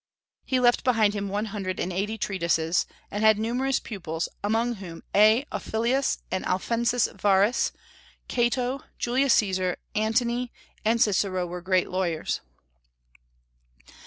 He left behind him one hundred and eighty treatises, and had numerous pupils, among whom A. Ofilius and Alfenus Varus, Cato, Julius Caesar, Antony, and Cicero were great lawyers.